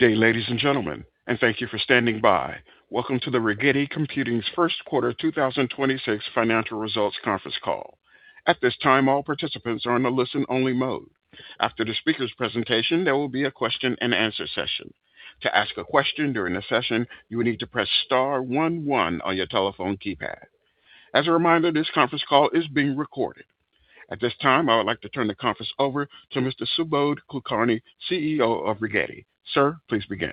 Good day, ladies and gentlemen, and thank you for standing by. Welcome to the Rigetti Computing's first quarter 2026 financial results conference call. At this time, all participants are in a listen-only mode. After the speaker's presentation, there will be a question and answer session. To ask a question during the session, you will need to press star one one on your telephone keypad. As a reminder, this conference call is being recorded. At this time, I would like to turn the conference over to Mr. Subodh Kulkarni, CEO of Rigetti. Sir, please begin.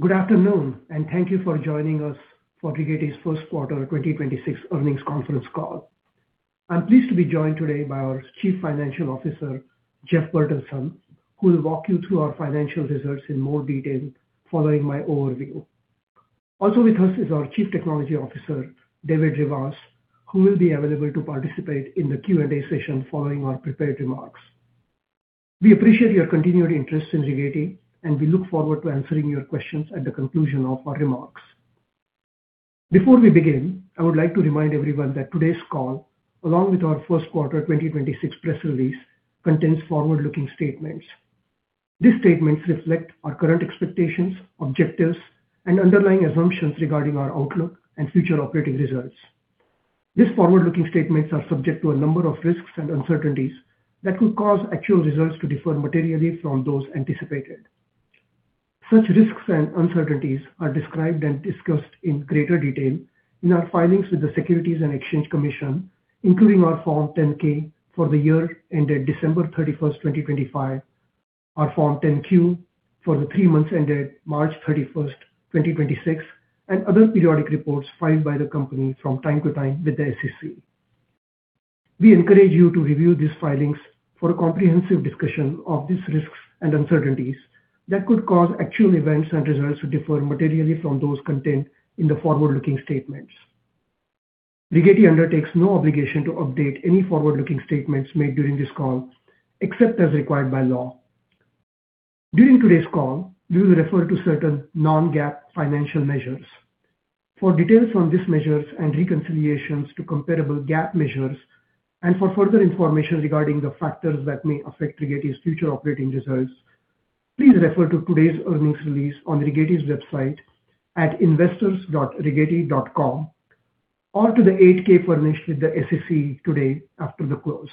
Good afternoon, and thank you for joining us for Rigetti's first quarter 2026 earnings conference call. I'm pleased to be joined today by our Chief Financial Officer, Jeff Bertelsen, who will walk you through our financial results in more detail following my overview. Also with us is our Chief Technology Officer, David Rivas, who will be available to participate in the Q&A session following our prepared remarks. We appreciate your continued interest in Rigetti, and we look forward to answering your questions at the conclusion of our remarks. Before we begin, I would like to remind everyone that today's call, along with our first quarter 2026 press release, contains forward-looking statements. These statements reflect our current expectations, objectives, and underlying assumptions regarding our outlook and future operating results. These forward-looking statements are subject to a number of risks and uncertainties that could cause actual results to differ materially from those anticipated. Such risks and uncertainties are described and discussed in greater detail in our filings with the Securities and Exchange Commission, including our Form 10-K for the year ended December 31st, 2025, our Form 10-Q for the three months ended March 31st, 2026, and other periodic reports filed by the company from time to time with the SEC. We encourage you to review these filings for a comprehensive discussion of these risks and uncertainties that could cause actual events and results to differ materially from those contained in the forward-looking statements. Rigetti undertakes no obligation to update any forward-looking statements made during this call, except as required by law. During today's call, we will refer to certain non-GAAP financial measures. For details on these measures and reconciliations to comparable GAAP measures, and for further information regarding the factors that may affect Rigetti's future operating results, please refer to today's earnings release on Rigetti's website at investors.rigetti.com or to the 8-K furnished with the SEC today after the close.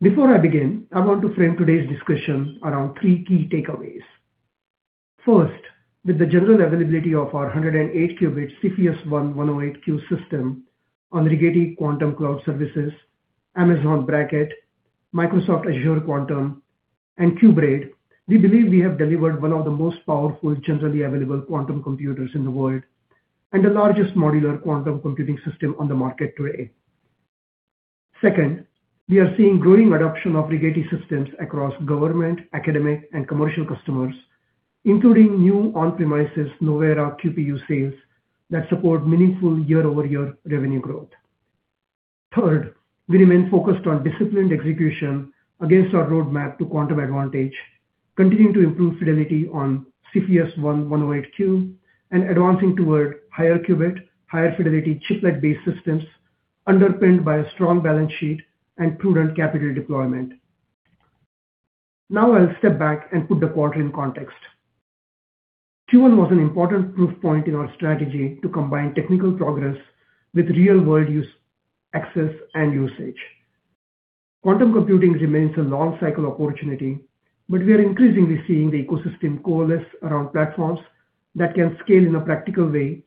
Before I begin, I want to frame today's discussion around three key takeaways. First, with the general availability of our 108-qubit Cepheus-1-108Q system on Rigetti Quantum Cloud Services, Amazon Braket, Microsoft Azure Quantum, and qBraid, we believe we have delivered one of the most powerful generally available quantum computers in the world and the largest modular quantum computing system on the market today. Second, we are seeing growing adoption of Rigetti systems across government, academic, and commercial customers, including new on-premises Novera QPU sales that support meaningful year-over-year revenue growth. Third, we remain focused on disciplined execution against our roadmap to quantum advantage, continuing to improve fidelity on Cepheus-1-108Q and advancing toward higher qubit, higher-fidelity chiplet-based systems underpinned by a strong balance sheet and prudent capital deployment. Now I'll step back and put the quarter in context. Q1 was an important proof point in our strategy to combine technical progress with real-world use, access, and usage. Quantum computing remains a long-cycle opportunity, but we are increasingly seeing the ecosystem coalesce around platforms that can scale in a practical way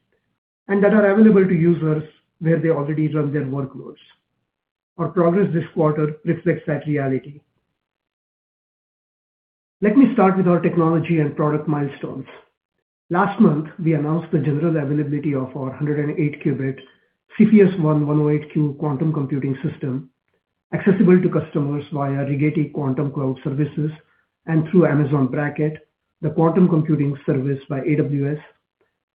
and that are available to users where they already run their workloads. Our progress this quarter reflects that reality. Let me start with our technology and product milestones. Last month, we announced the general availability of our 108-qubit Cepheus-1-108Q quantum computing system, accessible to customers via Rigetti Quantum Cloud Services and through Amazon Braket, the quantum computing service by AWS,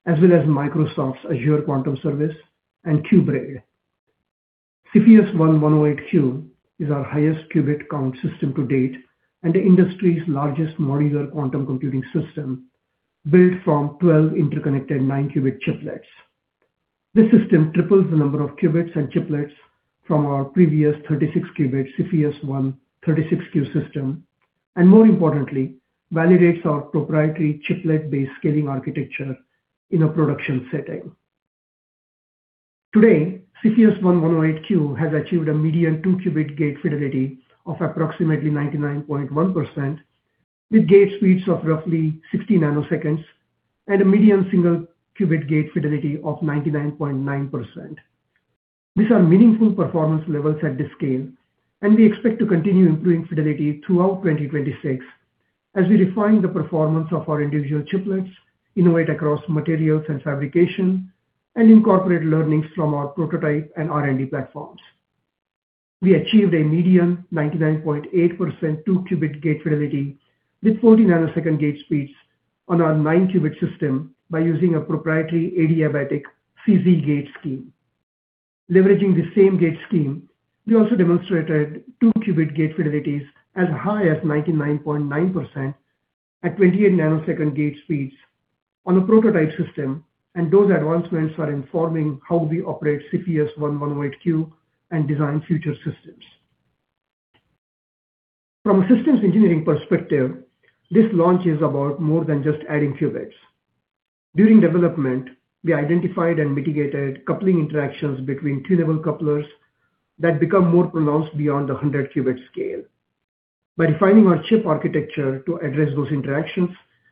as well as Microsoft Azure Quantum Service and qBraid. Cepheus-1-108Q is our highest qubit count system to date and the industry's largest modular quantum computing system, built from 12 interconnected 9-qubit chiplets. This system triples the number of qubits and chiplets from our previous 36-qubit Cepheus-1-36Q system, and more importantly, validates our proprietary chiplet-based scaling architecture in a production setting. Today, Cepheus-1-108Q has achieved a median two-qubit gate fidelity of approximately 99.1% with gate speeds of roughly 60 nanoseconds and a median single-qubit gate fidelity of 99.9%. These are meaningful performance levels at this scale, and we expect to continue improving fidelity throughout 2026 as we refine the performance of our individual chiplets, innovate across materials and fabrication, and incorporate learnings from our prototype and R&D platforms. We achieved a median 99.8% two-qubit gate fidelity with 40-nanosecond gate speeds on our 9-qubit system by using a proprietary adiabatic CZ gate scheme. Leveraging the same gate scheme, we also demonstrated two-qubit gate fidelities as high as 99.9% at 28-nanosecond gate speeds on a prototype system. Those advancements are informing how we operate Cepheus-1-108Q and design future systems. From a systems engineering perspective, this launch is about more than just adding qubits. During development, we identified and mitigated coupling interactions between two-level system couplers that become more pronounced beyond the 100-qubit scale. By refining our chip architecture to address those interactions,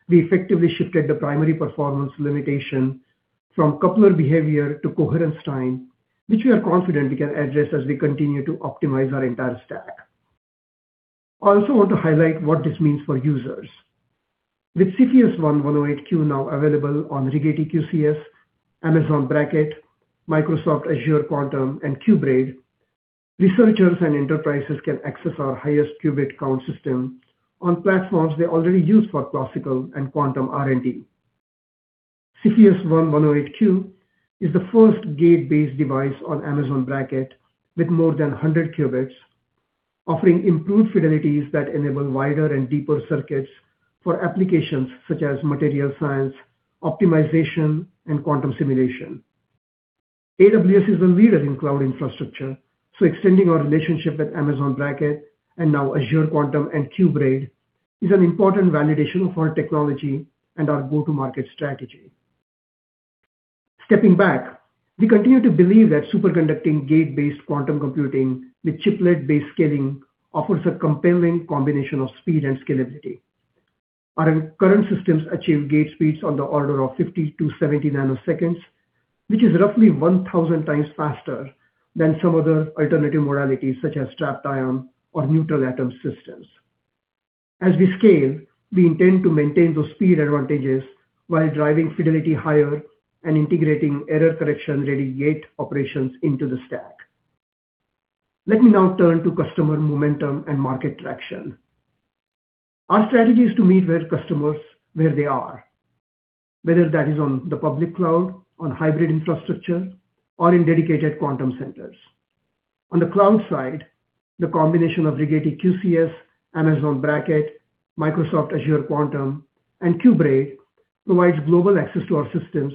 we effectively shifted the primary performance limitation from coupler behavior to coherence time, which we are confident we can address as we continue to optimize our entire stack. I also want to highlight what this means for users. With Cepheus-1-108Q now available on Rigetti QCS, Amazon Braket, Microsoft Azure Quantum, and qBraid, researchers and enterprises can access our highest qubit count system on platforms they already use for classical and quantum R&D. Cepheus-1-108Q is the first gate-based device on Amazon Braket with more than 100 qubits, offering improved fidelities that enable wider and deeper circuits for applications such as material science, optimization, and quantum simulation. AWS is a leader in cloud infrastructure, extending our relationship with Amazon Braket and now Azure Quantum and qBraid is an important validation of our technology and our go-to-market strategy. Stepping back, we continue to believe that superconducting gate-based quantum computing with chiplet-based scaling offers a compelling combination of speed and scalability. Our current systems achieve gate speeds on the order of 50 to 70 nanoseconds, which is roughly 1,000 times faster than some other alternative modalities such as trapped ion or neutral atom systems. As we scale, we intend to maintain those speed advantages while driving fidelity higher and integrating error correction ready gate operations into the stack. Let me now turn to customer momentum and market traction. Our strategy is to meet with customers where they are, whether that is on the public cloud, on hybrid infrastructure, or in dedicated quantum centers. On the cloud side, the combination of Rigetti QCS, Amazon Braket, Microsoft Azure Quantum, and qBraid provides global access to our systems,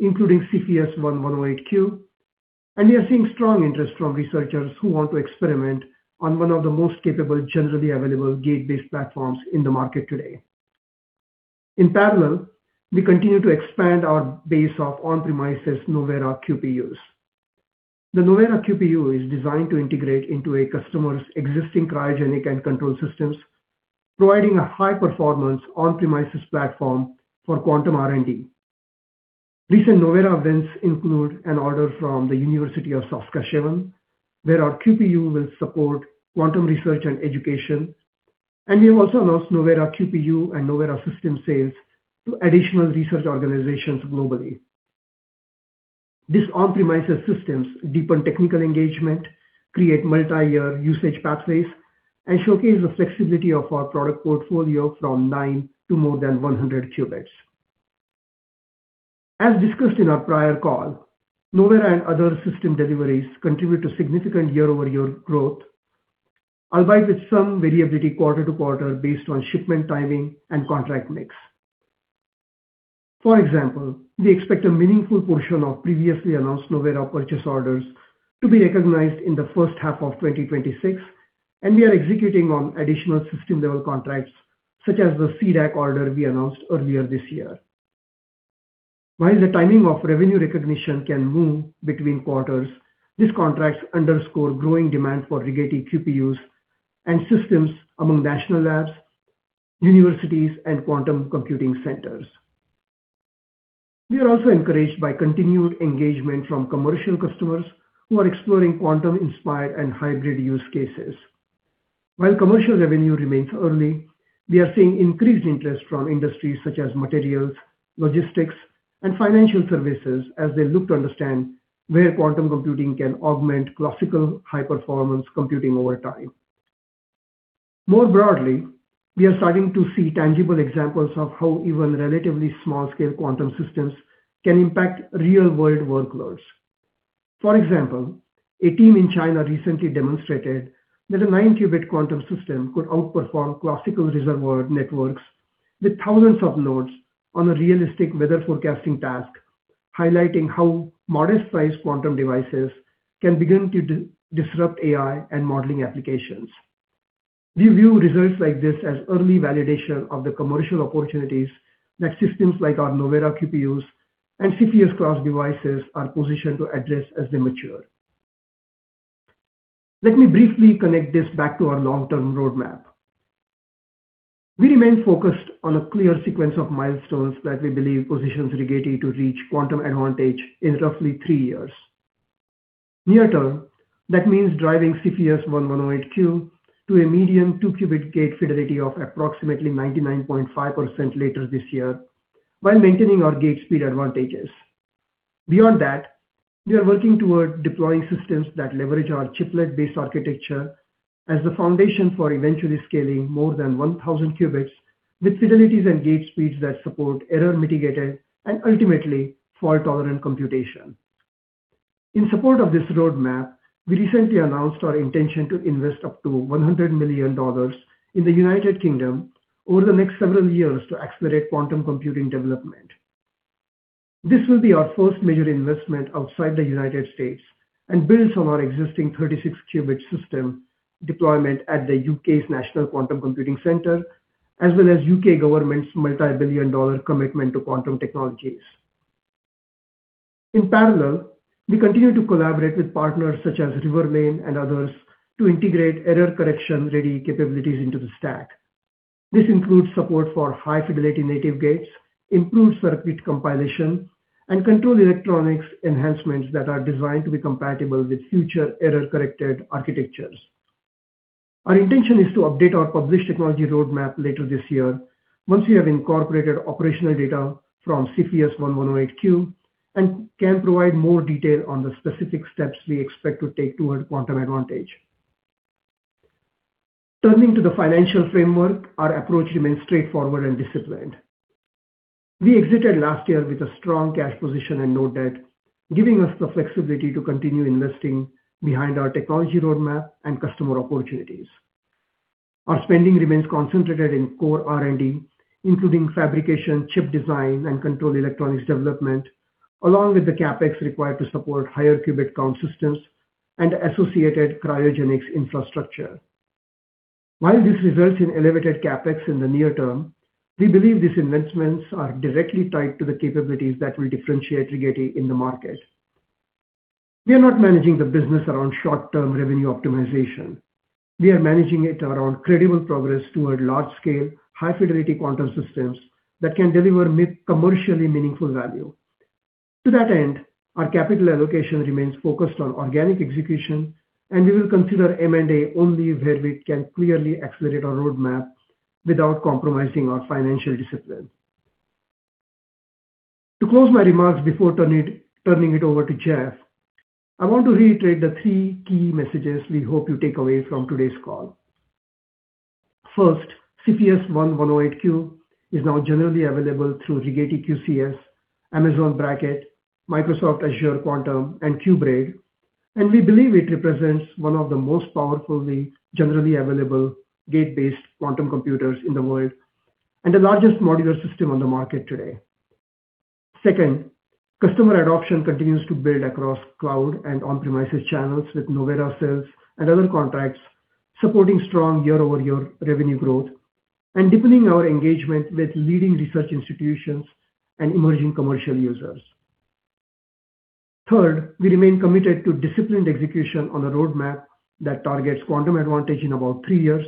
including Cepheus-1-108Q, and we are seeing strong interest from researchers who want to experiment on one of the most capable, generally available gate-based platforms in the market today. In parallel, we continue to expand our base of on-premises Novera QPUs. The Novera QPU is designed to integrate into a customer's existing cryogenic and control systems, providing a high-performance on-premises platform for quantum R&D. Recent Novera wins include an order from the University of Saskatchewan, where our QPU will support quantum research and education, and we have also announced Novera QPU and Novera system sales to additional research organizations globally. These on-premises systems deepen technical engagement, create multi-year usage pathways, and showcase the flexibility of our product portfolio from nine to more than 100 qubits. As discussed in our prior call, Novera and other system deliveries contribute to significant year-over-year growth, albeit with some variability quarter to quarter based on shipment timing and contract mix. We expect a meaningful portion of previously announced Novera purchase orders to be recognized in the first half of 2026, and we are executing on additional system-level contracts, such as the C-DAC order we announced earlier this year. While the timing of revenue recognition can move between quarters, these contracts underscore growing demand for Rigetti QPUs and systems among national labs, universities, and quantum computing centers. We are also encouraged by continued engagement from commercial customers who are exploring quantum-inspired and hybrid use cases. While commercial revenue remains early, we are seeing increased interest from industries such as materials, logistics, and financial services as they look to understand where quantum computing can augment classical high-performance computing over time. More broadly, we are starting to see tangible examples of how even relatively small-scale quantum systems can impact real-world workloads. For example, a team in China recently demonstrated that a 9-qubit quantum system could outperform classical reservoir networks with thousands of nodes on a realistic weather forecasting task, highlighting how modest-priced quantum devices can begin to disrupt AI and modeling applications. We view results like this as early validation of the commercial opportunities that systems like our Novera QPUs and Cepheus class devices are positioned to address as they mature. Let me briefly connect this back to our long-term roadmap. We remain focused on a clear sequence of milestones that we believe positions Rigetti to reach quantum advantage in roughly three years. Near term, that means driving Cepheus-1-108Q to a median two-qubit gate fidelity of approximately 99.5% later this year while maintaining our gate speed advantages. Beyond that, we are working toward deploying systems that leverage our chiplet-based architecture as the foundation for eventually scaling more than 1,000 qubits with fidelities and gate speeds that support error-mitigated and ultimately fault-tolerant computation. In support of this roadmap, we recently announced our intention to invest up to $100 million in the United Kingdom over the next several years to accelerate quantum computing development. This will be our first major investment outside the United States and builds on our existing 36-qubit system deployment at the U.K.'s National Quantum Computing Centre, as well as U.K. government's multi-billion dollar commitment to quantum technologies. In parallel, we continue to collaborate with partners such as Riverlane and others to integrate error correction-ready capabilities into the stack. This includes support for high-fidelity native gates, improved circuit compilation, and control electronics enhancements that are designed to be compatible with future error-corrected architectures. Our intention is to update our published technology roadmap later this year once we have incorporated operational data from Cepheus-1-108Q and can provide more detail on the specific steps we expect to take toward quantum advantage. Turning to the financial framework, our approach remains straightforward and disciplined. We exited last year with a strong cash position and no debt, giving us the flexibility to continue investing behind our technology roadmap and customer opportunities. Our spending remains concentrated in core R&D, including fabrication, chip design, and control electronics development, along with the CapEx required to support higher qubit count systems and associated cryogenics infrastructure. While this results in elevated CapEx in the near term, we believe these investments are directly tied to the capabilities that will differentiate Rigetti in the market. We are not managing the business around short-term revenue optimization. We are managing it around credible progress toward large scale, high-fidelity quantum systems that can deliver commercially meaningful value. To that end, our capital allocation remains focused on organic execution, and we will consider M&A only where we can clearly accelerate our roadmap without compromising our financial discipline. To close my remarks before turning it over to Jeff, I want to reiterate the three key messages we hope you take away from today's call. First, Cepheus-1-108Q is now generally available through Rigetti QCS, Amazon Braket, Microsoft Azure Quantum, and qBraid, and we believe it represents one of the most powerfully, generally available gate-based quantum computers in the world and the largest modular system on the market today. Second, customer adoption continues to build across cloud and on-premises channels with Novera sales and other contracts, supporting strong year-over-year revenue growth and deepening our engagement with leading research institutions and emerging commercial users. Third, we remain committed to disciplined execution on a roadmap that targets quantum advantage in about three years,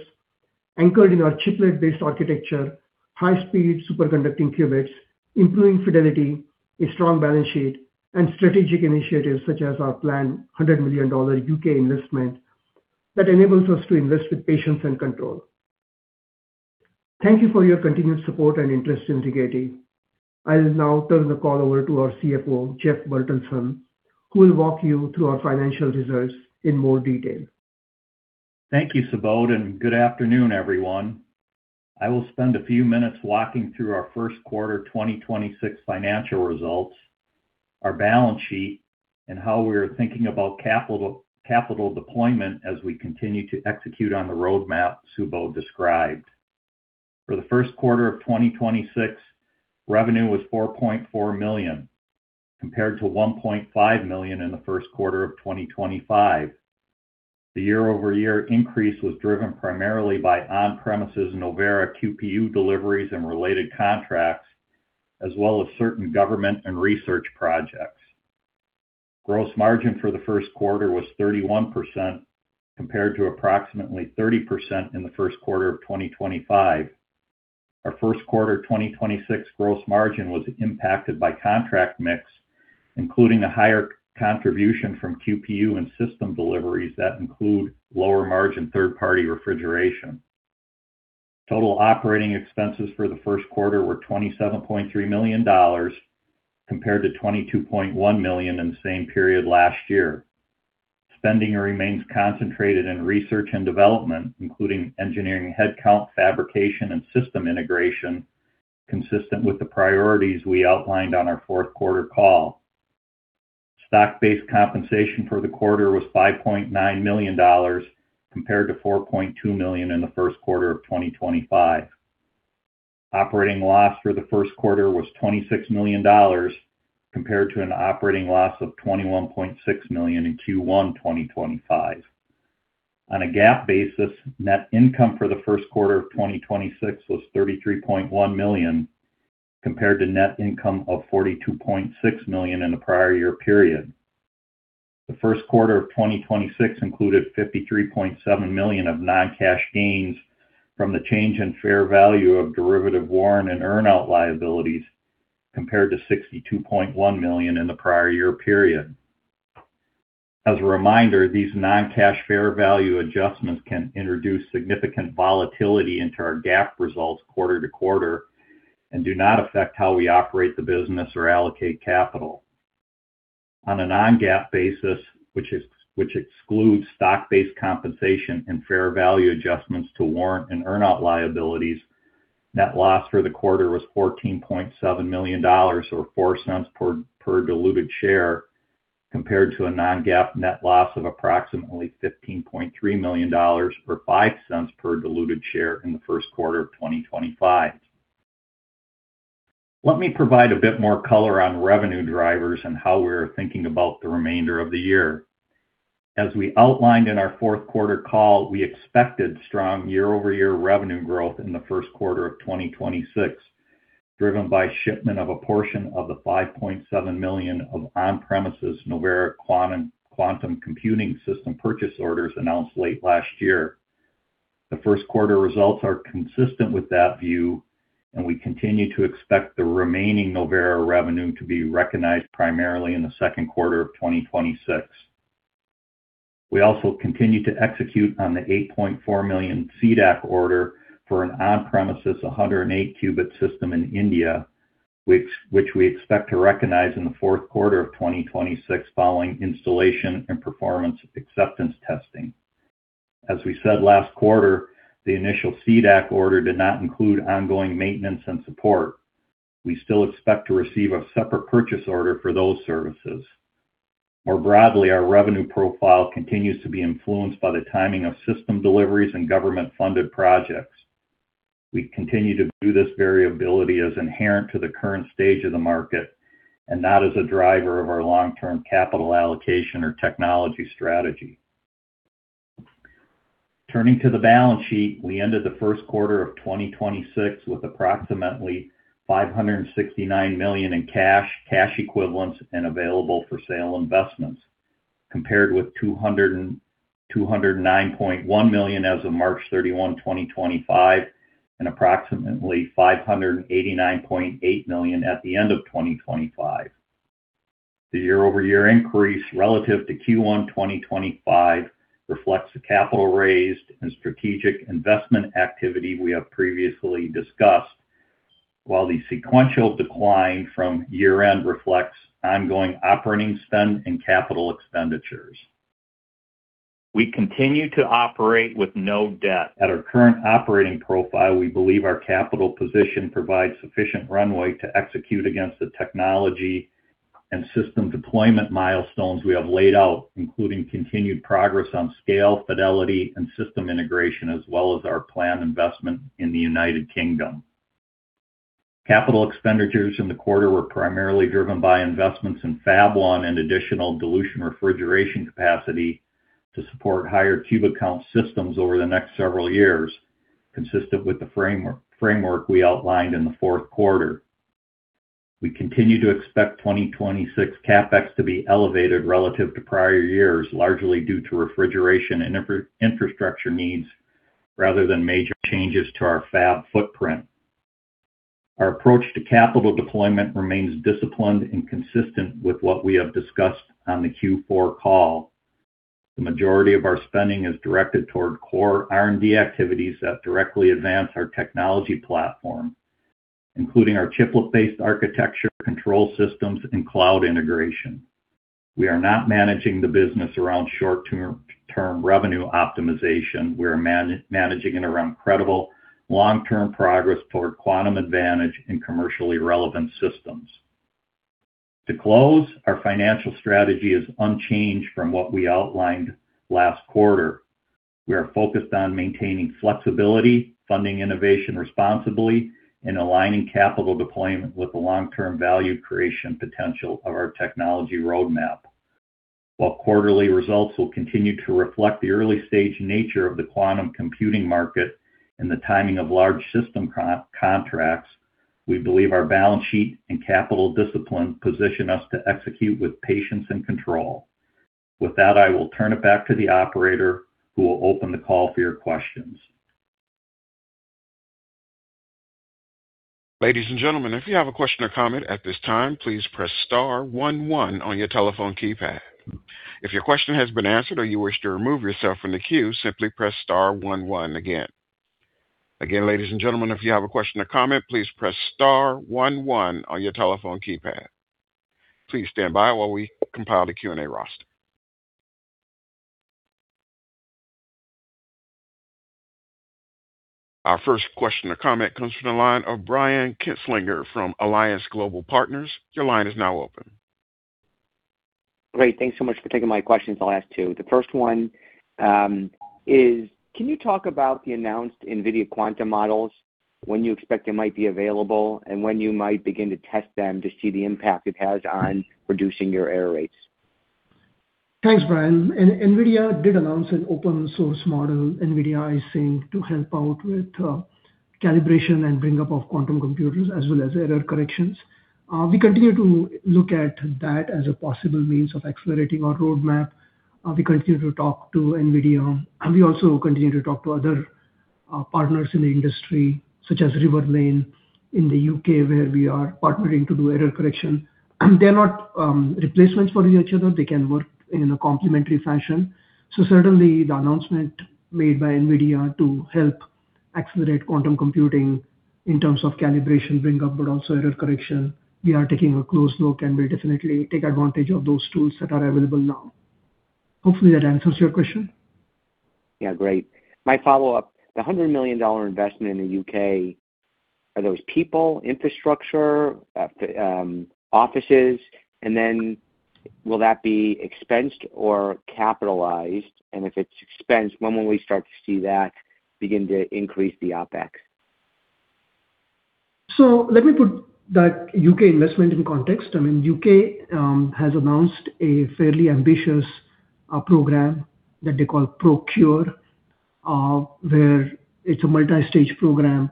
anchored in our chiplet-based architecture, high-speed superconducting qubits, improving fidelity, a strong balance sheet, and strategic initiatives such as our planned $100 million U.K. investment that enables us to invest with patience and control. Thank you for your continued support and interest in Rigetti. I'll now turn the call over to our CFO, Jeff Bertelsen, who will walk you through our financial results in more detail. Thank you, Subodh, and good afternoon, everyone. I will spend a few minutes walking through our first quarter 2026 financial results, our balance sheet, and how we are thinking about capital deployment as we continue to execute on the roadmap Subodh described. For the first quarter of 2026, revenue was $4.4 million, compared to $1.5 million in the first quarter of 2025. The year-over-year increase was driven primarily by on-premises Novera QPU deliveries and related contracts, as well as certain government and research projects. Gross margin for the first quarter was 31%, compared to approximately 30% in the first quarter of 2025. Our first quarter 2026 gross margin was impacted by contract mix, including a higher contribution from QPU and system deliveries that include lower margin third-party refrigeration. Total operating expenses for the first quarter were $27.3 million compared to $22.1 million in the same period last year. Spending remains concentrated in research and development, including engineering headcount, fabrication, and system integration, consistent with the priorities we outlined on our fourth quarter call. Stock-based compensation for the quarter was $5.9 million compared to $4.2 million in the first quarter of 2025. Operating loss for the first quarter was $26 million compared to an operating loss of $21.6 million in Q1 2025. On a GAAP basis, net income for the first quarter of 2026 was $33.1 million compared to net income of $42.6 million in the prior year period. The first quarter of 2026 included $53.7 million of non-cash gains from the change in fair value of derivative warrant and earn-out liabilities compared to $62.1 million in the prior year period. As a reminder, these non-cash fair value adjustments can introduce significant volatility into our GAAP results quarter to quarter and do not affect how we operate the business or allocate capital. On a non-GAAP basis, which excludes stock-based compensation and fair value adjustments to warrant and earn-out liabilities. Net loss for the quarter was $14.7 million, or $0.04 per diluted share, compared to a non-GAAP net loss of approximately $15.3 million, or $0.05 per diluted share in the first quarter of 2025. Let me provide a bit more color on revenue drivers and how we are thinking about the remainder of the year. As we outlined in our fourth quarter call, we expected strong year-over-year revenue growth in the first quarter of 2026, driven by shipment of a portion of the $5.7 million of on-premises Novera quantum computing system purchase orders announced late last year. The first quarter results are consistent with that view, and we continue to expect the remaining Novera revenue to be recognized primarily in the second quarter of 2026. We also continue to execute on the $8.4 million C-DAC order for an on-premises 108-qubit system in India, which we expect to recognize in the fourth quarter of 2026 following installation and performance acceptance testing. As we said last quarter, the initial C-DAC order did not include ongoing maintenance and support. We still expect to receive a separate purchase order for those services. More broadly, our revenue profile continues to be influenced by the timing of system deliveries and government-funded projects. We continue to view this variability as inherent to the current stage of the market and not as a driver of our long-term capital allocation or technology strategy. Turning to the balance sheet, we ended the first quarter of 2026 with approximately $569 million in cash equivalents, and available for sale investments, compared with $209.1 million as of March 31, 2025, and approximately $589.8 million at the end of 2025. The year-over-year increase relative to Q1 2025 reflects the capital raised and strategic investment activity we have previously discussed, while the sequential decline from year-end reflects ongoing operating spend and capital expenditures. We continue to operate with no debt. At our current operating profile, we believe our capital position provides sufficient runway to execute against the technology and system deployment milestones we have laid out, including continued progress on scale, fidelity, and system integration, as well as our planned investment in the United Kingdom. Capital expenditures in the quarter were primarily driven by investments in Fab-1 and additional dilution refrigerator capacity to support higher qubit count systems over the next several years, consistent with the framework we outlined in the fourth quarter. We continue to expect 2026 CapEx to be elevated relative to prior years, largely due to refrigeration and infrastructure needs rather than major changes to our fab footprint. Our approach to capital deployment remains disciplined and consistent with what we have discussed on the Q4 call. The majority of our spending is directed toward core R&D activities that directly advance our technology platform, including our chiplet-based architecture, control systems, and cloud integration. We are not managing the business around short-term revenue optimization. We are managing it around credible long-term progress toward quantum advantage in commercially relevant systems. To close, our financial strategy is unchanged from what we outlined last quarter. We are focused on maintaining flexibility, funding innovation responsibly, and aligning capital deployment with the long-term value creation potential of our technology roadmap. While quarterly results will continue to reflect the early-stage nature of the quantum computing market and the timing of large system contracts, we believe our balance sheet and capital discipline position us to execute with patience and control. With that, I will turn it back to the operator, who will open the call for your questions. Ladies and gentlemen, if you have a question or comment at this time, please press star one one on your telephone keypad. If your question has been answered or you wish to remove yourself from the queue, simply press star one one again. Again, ladies and gentlemen, if you have a question or comment, please press star one one on your telephone keypad. Please stand by while we compile the Q&A roster. Our first question or comment comes from the line of Brian Kinstlinger from Alliance Global Partners. Your line is now open. Great. Thanks so much for taking my questions. I'll ask two. The first one is, can you talk about the announced NVIDIA quantum models, when you expect they might be available, and when you might begin to test them to see the impact it has on reducing your error rates? Thanks, Brian. NVIDIA did announce an open-source model NVIDIA is saying to help out with calibration and bring-up of quantum computers as well as error corrections. We continue to look at that as a possible means of accelerating our roadmap. We continue to talk to NVIDIA, and we also continue to talk to other partners in the industry, such as Riverlane in the U.K., where we are partnering to do error correction. They're not replacements for each other. They can work in a complementary fashion. Certainly, the announcement made by NVIDIA to help accelerate quantum computing in terms of calibration bring-up but also error correction, we are taking a close look, and we'll definitely take advantage of those tools that are available now. Hopefully that answers your question. Yeah, great. My follow-up, the $100 million investment in the U.K., are those people, infrastructure, offices? Will that be expensed or capitalized? If it's expensed, when will we start to see that begin to increase the OpEx? Let me put that U.K. investment in context. I mean, U.K. has announced a fairly ambitious program that they call ProQure, where it's a multi-stage program.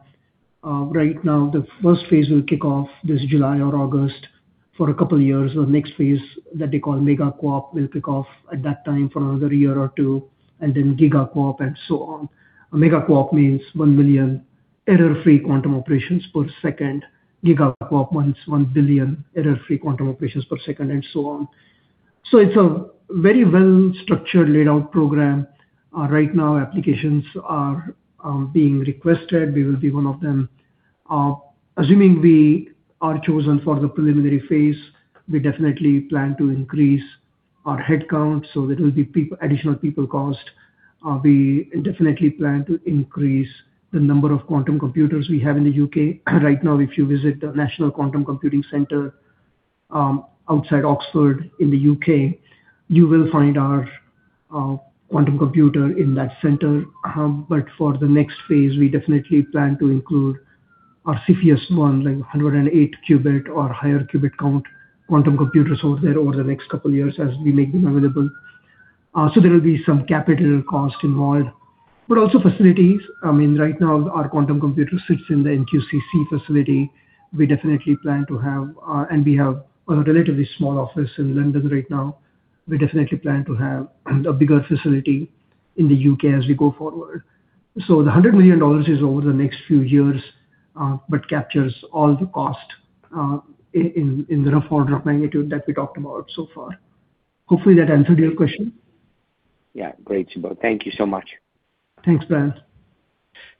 Right now the first phase will kick off this July or August for a couple of years. The next phase that they call MegaQuOp will kick off at that time for one or two years, and then GigaQuOp and so on. A MegaQuOp means 1 million error-free quantum operations per second. GigaQuOp means 1 billion error-free quantum operations per second, and so on. It's a very well-structured, laid out program. Right now, applications are being requested. We will be one of them. Assuming we are chosen for the preliminary phase, we definitely plan to increase our head count, so there will be additional people cost. We definitely plan to increase the number of quantum computers we have in the U.K. Right now, if you visit the National Quantum Computing Centre, outside Oxford in the U.K., you will find our quantum computer in that center. For the next phase, we definitely plan to include our Cepheus-1, like 108-qubit or higher qubit count quantum computers over there over the next couple years as we make them available. There will be some capital cost involved, but also facilities. I mean, right now our quantum computer sits in the NQCC facility. We definitely plan to have, and we have a relatively small office in London right now. We definitely plan to have a bigger facility in the U.K. as we go forward. The $100 million is over the next few years, but captures all the cost, in the rough order of magnitude that we talked about so far. Hopefully that answered your question. Yeah. Great, Subodh. Thank you so much. Thanks, Brian.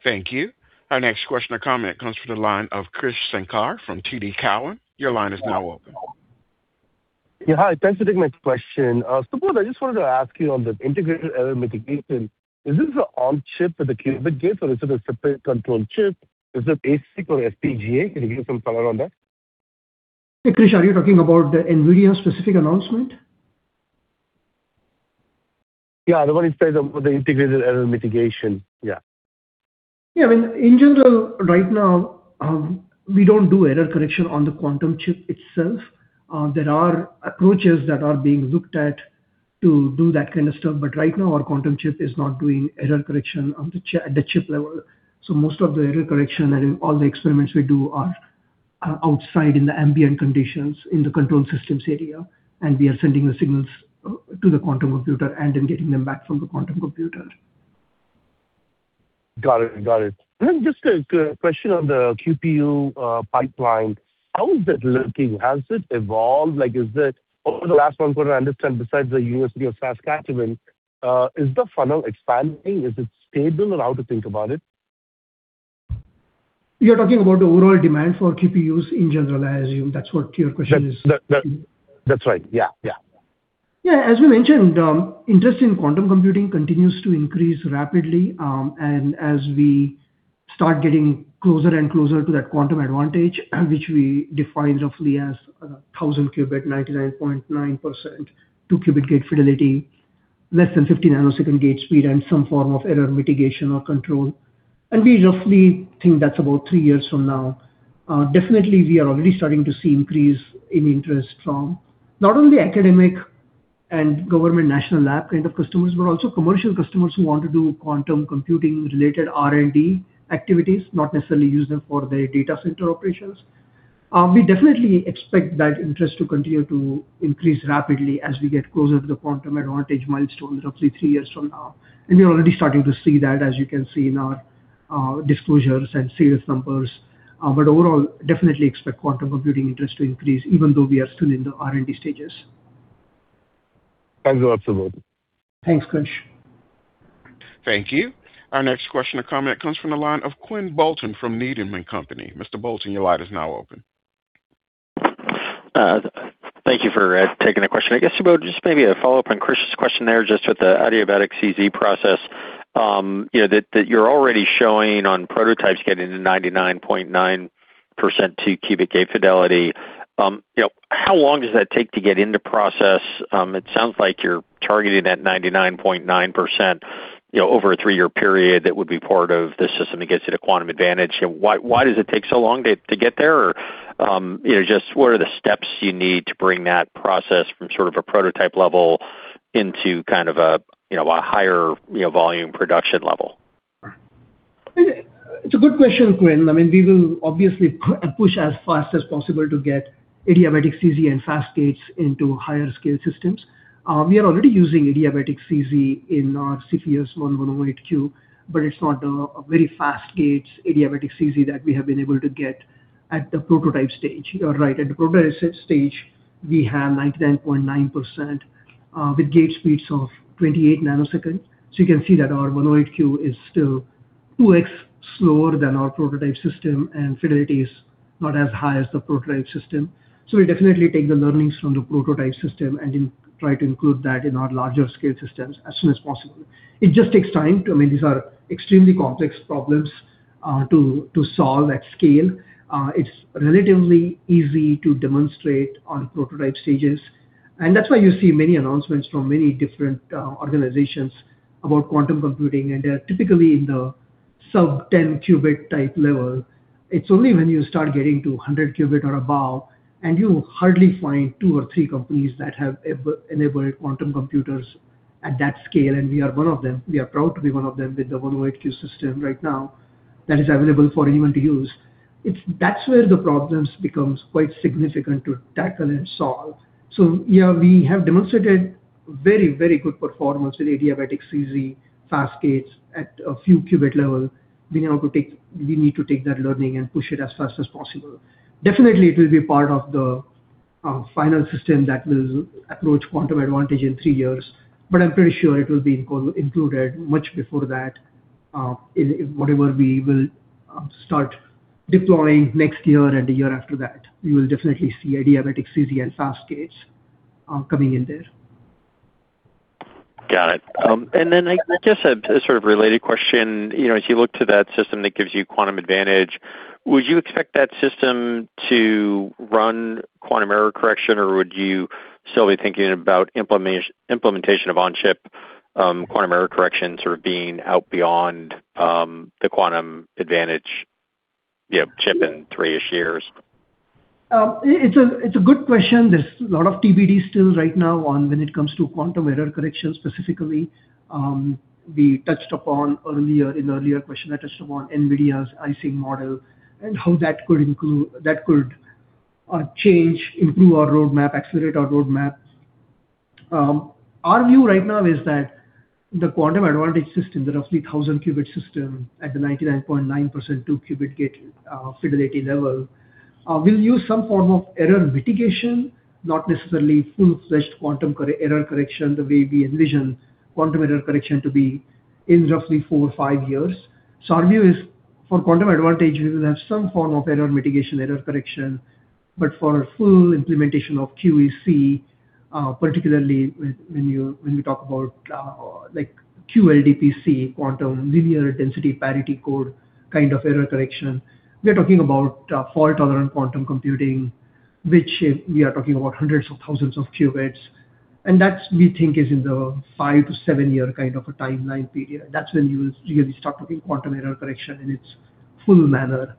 Thank you. Our next question or comment comes from the line of Krish Sankar from TD Cowen. Your line is now open. Yeah, hi. Thanks for taking my question. Subodh, I just wanted to ask you on the integrated error mitigation, is this an on-chip with the qubit gate, or is it a separate control chip? Is it ASIC or FPGA? Can you give some color on that? Hey, Krish, are you talking about the NVIDIA specific announcement? Yeah, the one inside the integrated error mitigation. Yeah. Yeah. I mean, in general, right now, we don't do error correction on the quantum chip itself. There are approaches that are being looked at to do that kind of stuff, but right now our quantum chip is not doing error correction at the chip level. Most of the error correction and all the experiments we do are outside in the ambient conditions in the control systems area, and we are sending the signals to the quantum computer and then getting them back from the quantum computer. Got it. Just a question on the QPU pipeline. How is it looking? Has it evolved? Like, is it over the last one quarter, I understand besides the University of Saskatchewan, is the funnel expanding? Is it stable? How to think about it? You're talking about the overall demand for QPUs in general, I assume. That's what your question is? That's right. Yeah. Yeah. As we mentioned, interest in quantum computing continues to increase rapidly. As we start getting closer and closer to that quantum advantage, which we define roughly as a 1,000-qubit, 99.9%, two-qubit gate fidelity, less than 50-nanosecond gate speed, and some form of error mitigation or control. We roughly think that's about three years from now. Definitely we are already starting to see increase in interest from not only academic and government national lab kind of customers, but also commercial customers who want to do quantum computing related R&D activities, not necessarily use them for their data center operations. We definitely expect that interest to continue to increase rapidly as we get closer to the quantum advantage milestone, roughly three years from now. We're already starting to see that, as you can see in our disclosures and sales numbers. Overall, definitely expect quantum computing interest to increase even though we are still in the R&D stages. Thank you. That's all. Thanks, Krish. Thank you. Our next question or comment comes from the line of Quinn Bolton from Needham & Company. Mr. Bolton, your line is now open. Thank you for taking the question. I guess about just maybe a follow-up on Krish's question there, just with the adiabatic CZ process. You know, that you're already showing on prototypes getting to 99.9% two-qubit gate fidelity. You know, how long does that take to get into process? It sounds like you're targeting that 99.9%, you know, over a three-year period that would be part of the system that gets you to quantum advantage. You know, why does it take so long to get there or, you know, just what are the steps you need to bring that process from sort of a prototype level into kind of a, you know, a higher, you know, volume production level? It's a good question, Quinn. I mean, we will obviously push as fast as possible to get adiabatic CZ and fast gates into higher scale systems. We are already using adiabatic CZ in our Cepheus-1-108Q, but it's not a very fast gate adiabatic CZ that we have been able to get at the prototype stage. You are right. At the prototype stage, we have 99.9% with gate speeds of 28 nanoseconds. You can see that our 1108Q is still 2x slower than our prototype system and fidelity is not as high as the prototype system. We definitely take the learnings from the prototype system and then try to include that in our larger scale systems as soon as possible. It just takes time to I mean, these are extremely complex problems to solve at scale. It's relatively easy to demonstrate on prototype stages. That's why you see many announcements from many different organizations about quantum computing. They are typically in the sub 10-qubit type level. It's only when you start getting to 100-qubit or above. You hardly find two or three companies that have enabled quantum computers at that scale. We are one of them. We are proud to be one of them with the 108-qubit system right now that is available for anyone to use. That's where the problems becomes quite significant to tackle and solve. Yeah, we have demonstrated very, very good performance with adiabatic CZ fast gates at a few-qubit level. We now need to take that learning and push it as fast as possible. Definitely, it will be part of the final system that will approach quantum advantage in three years, but I'm pretty sure it will be included much before that, in whatever we will start deploying next year and the year after that. You will definitely see adiabatic CZ and fast gates coming in there. Got it. I guess a sort of related question. You know, as you look to that system that gives you quantum advantage, would you expect that system to run quantum error correction, or would you still be thinking about implementation of on chip, quantum error correction sort of being out beyond, the quantum advantage, you know, chip in three-ish years? It's a good question. There's a lot of TBD still right now on when it comes to quantum error correction specifically. We touched upon earlier, in the earlier question, I touched upon NVIDIA's Ising model and how that could change, improve our roadmap, accelerate our roadmap. Our view right now is that the quantum advantage system, the roughly 1,000 qubit system at the 99.9% two-qubit gate fidelity level, will use some form of error mitigation, not necessarily full-fledged quantum error correction, the way we envision quantum error correction to be in roughly four or five years. Our view is for quantum advantage, we will have some form of error mitigation, error correction, but for a full implementation of QAC, particularly when you talk about qLDPC, quantum low-density parity-check code kind of error correction. We're talking about fault-tolerant quantum computing, which if we are talking about hundreds of thousands of qubits, and that's we think is in the five to seven year kind of a timeline period. That's when you'll really start looking quantum error correction in its full manner.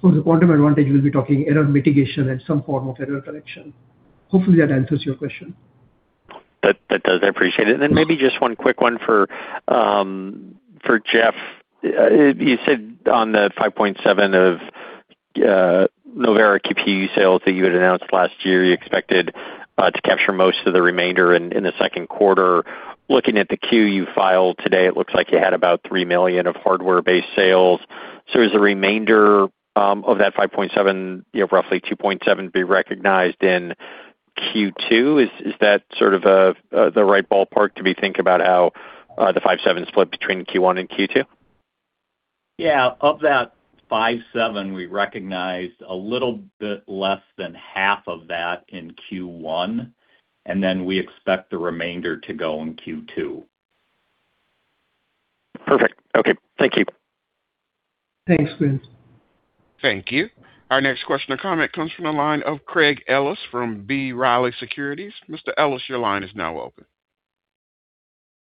For the quantum advantage, we'll be talking error mitigation and some form of error correction. Hopefully that answers your question. That does. I appreciate it. Maybe just one quick one for Jeff. You said on the $5.7 of Novera QPU sales that you had announced last year, you expected to capture most of the remainder in the second quarter. Looking at the Form 10-Q you filed today, it looks like you had about $3 million of hardware-based sales. Is the remainder of that $5.7, roughly $2.7, be recognized in Q2? Is that sort of the right ballpark to be think about how the $5.7 split between Q1 and Q2? Yeah. Of that $5.7, we recognized a little bit less than half of that in Q1. We expect the remainder to go in Q2. Perfect. Okay. Thank you. Thanks, Quinn. Thank you. Our next question or comment comes from the line of Craig Ellis from B. Riley Securities. Mr. Ellis, your line is now open.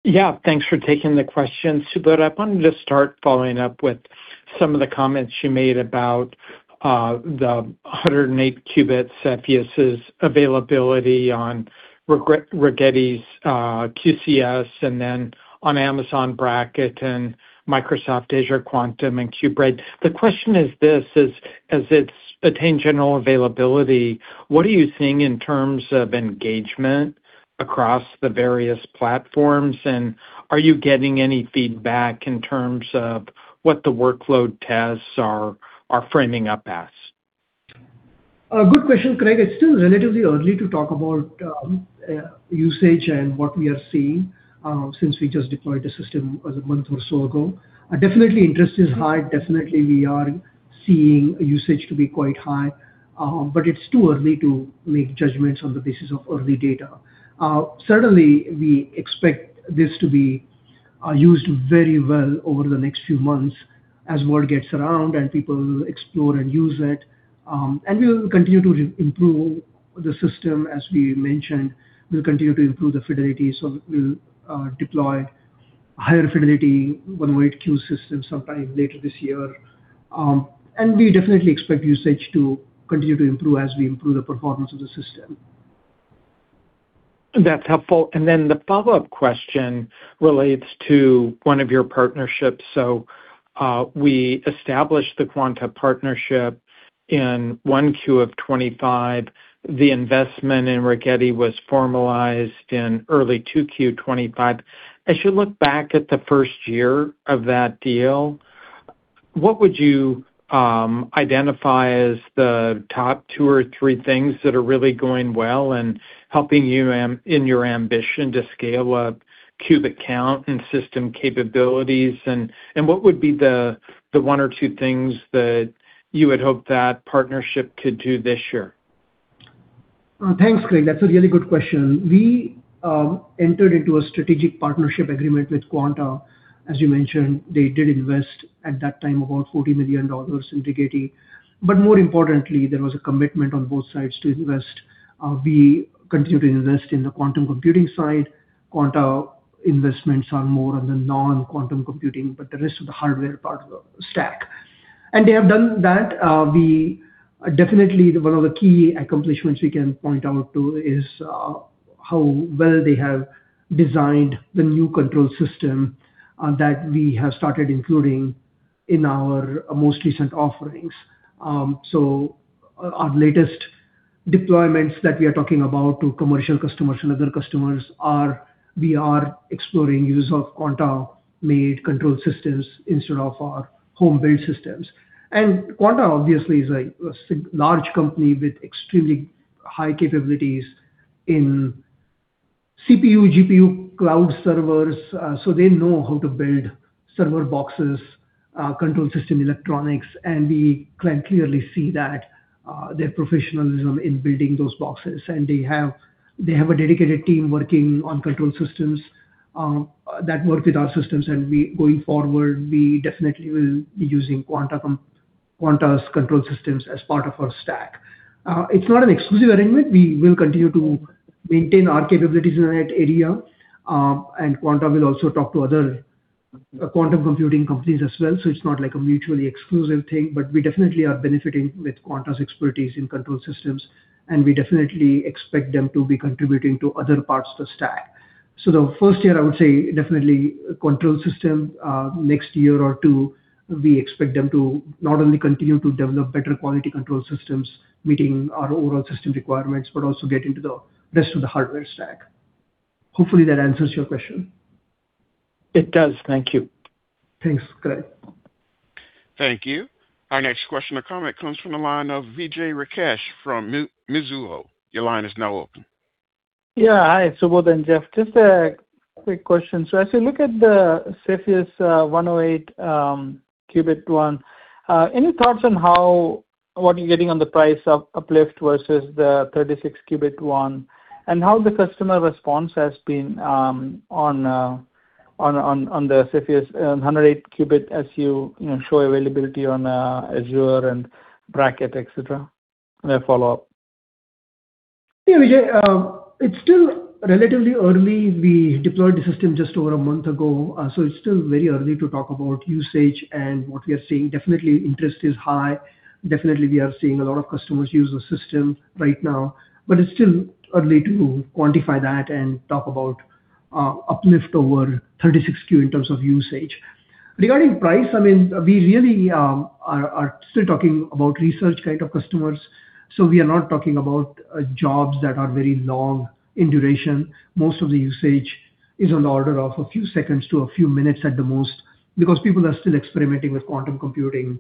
Yeah, thanks for taking the question, Subodh. I wanted to start following up with some of the comments you made about the 108 qubit Cepheus' availability on Rigetti's QCS and then on Amazon Braket and Microsoft Azure Quantum and qBraid. The question is this: As it's attained general availability, what are you seeing in terms of engagement across the various platforms, and are you getting any feedback in terms of what the workload tests are framing up as? Good question, Craig. It's still relatively early to talk about usage and what we are seeing since we just deployed the system as a month or so ago. Definitely interest is high. Definitely, we are seeing usage to be quite high, but it's too early to make judgments on the basis of early data. Certainly, we expect this to be used very well over the next few months as word gets around and people explore and use it. We will continue to re-improve the system, as we mentioned. We'll continue to improve the fidelity, so we'll deploy higher fidelity 108Q system sometime later this year. We definitely expect usage to continue to improve as we improve the performance of the system. That's helpful. Then the follow-up question relates to one of your partnerships. We established the Quanta partnership in 1Q 2025. The investment in Rigetti was formalized in early 2Q 2025. As you look back at the first year of that deal, what would you identify as the top two or three things that are really going well and helping you in your ambition to scale up qubit count and system capabilities? What would be the one or two things that you would hope that partnership could do this year? Thanks, Craig. That's a really good question. We entered into a strategic partnership agreement with C. As you mentioned, they did invest at that time about $40 million into Rigetti. More importantly, there was a commitment on both sides to invest. We continue to invest in the quantum computing side. Quanta investments are more on the non-quantum computing, but the rest of the hardware part of the stack. They have done that. We definitely one of the key accomplishments we can point out to is how well they have designed the new control system that we have started including in our most recent offerings. Our latest deployments that we are talking about to commercial customers and other customers are we are exploring use of Quanta-made control systems instead of our home-built systems. Quanta obviously is a large company with extremely high capabilities in CPU, GPU cloud servers. They know how to build server boxes, control system electronics. We can clearly see that their professionalism in building those boxes. They have a dedicated team working on control systems that work with our systems. Going forward, we definitely will be using Quanta's control systems as part of our stack. It's not an exclusive arrangement. We will continue to maintain our capabilities in that area. Quanta will also talk to other quantum computing companies as well, so it's not like a mutually exclusive thing. We definitely are benefiting with Quanta's expertise in control systems, and we definitely expect them to be contributing to other parts of the stack. The first year, I would say definitely control system. Next year or two, we expect them to not only continue to develop better quality control systems, meeting our overall system requirements, but also get into the rest of the hardware stack. Hopefully that answers your question. It does. Thank you. Thanks, Craig. Thank you. Our next question or comment comes from the line of Vijay Rakesh from Mizuho. Your line is now open. Yeah. Hi, Subodh and Jeff. Just a quick question. As you look at the Cepheus 108 qubit one, any thoughts on how what you're getting on the price uplift versus the 36 qubit one? How the customer response has been on the Cepheus 108 qubit as you know, show availability on Azure and Braket, et cetera? A follow-up. Yeah, Vijay. It's still relatively early. We deployed the system just over a month ago. It's still very early to talk about usage and what we are seeing. Definitely interest is high. Definitely we are seeing a lot of customers use the system right now. It's still early to quantify that and talk about uplift over 36 qubit in terms of usage. Regarding price, I mean, we really are still talking about research kind of customers. We are not talking about jobs that are very long in duration. Most of the usage is on the order of a few seconds to a few minutes at the most, because people are still experimenting with quantum computing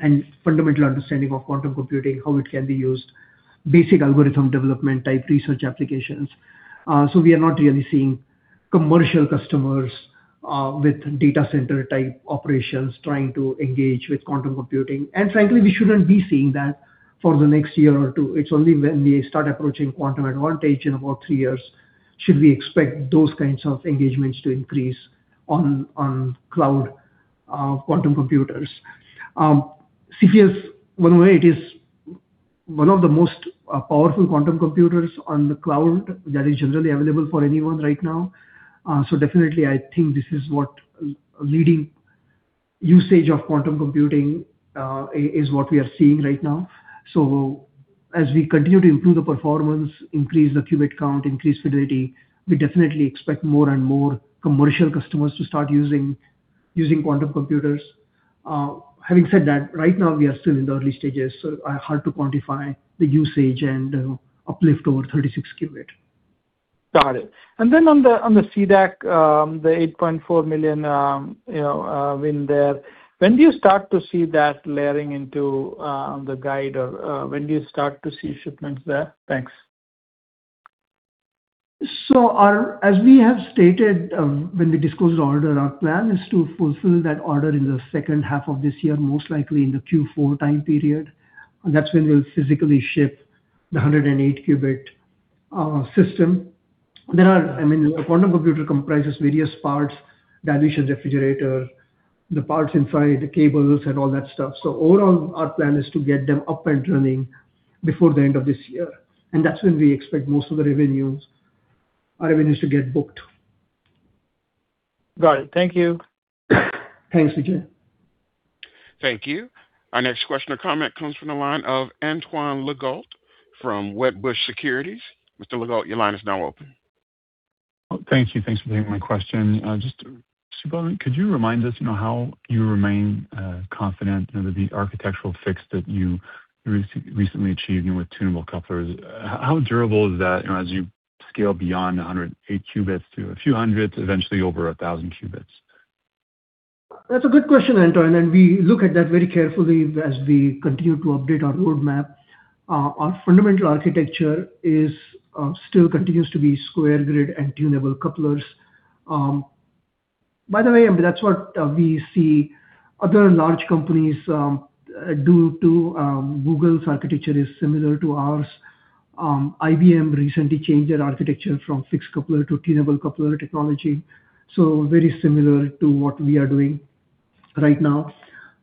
and fundamental understanding of quantum computing, how it can be used, basic algorithm development type research applications. We are not really seeing commercial customers with data center type operations trying to engage with quantum computing. And frankly, we shouldn't be seeing that for the next year or two. It's only when we start approaching quantum advantage in about three years should we expect those kinds of engagements to increase on cloud quantum computers. Cepheus 108 is one of the most powerful quantum computers on the cloud that is generally available for anyone right now. Definitely, I think this is what leading usage of quantum computing is what we are seeing right now. As we continue to improve the performance, increase the qubit count, increase fidelity, we definitely expect more and more commercial customers to start using quantum computers. Having said that, right now we are still in the early stages, so hard to quantify the usage and uplift over 36 qubit. Got it. On the, on the C-DAC, the $8.4 million, you know, win there, when do you start to see that layering into, the guide or, when do you start to see shipments there? Thanks. As we have stated, when we disclosed the order, our plan is to fulfill that order in the second half of this year, most likely in the Q4 time period. That's when we'll physically ship the 108-qubit system. There are I mean, a quantum computer comprises various parts. dilution refrigerator, the parts inside, the cables and all that stuff. Overall, our plan is to get them up and running before the end of this year. That's when we expect most of the revenues, our revenues to get booked. Got it. Thank you. Thanks, Vijay. Thank you. Our next question or comment comes from the line of Antoine Legault from Wedbush Securities. Mr. Legault, your line is now open. Thank you. Thanks for taking my question. Just, Subodh, could you remind us, you know, how you remain confident, you know, that the architectural fix that you recently achieved, you know, with tunable couplers, how durable is that, you know, as you scale beyond 108 qubits to a few hundred, eventually over 1,000 qubits? That's a good question, Antoine. We look at that very carefully as we continue to update our roadmap. Our fundamental architecture still continues to be square grid and tunable couplers. By the way, that's what we see other large companies do too. Google's architecture is similar to ours. IBM recently changed their architecture from fixed coupler to tunable coupler technology, so very similar to what we are doing right now.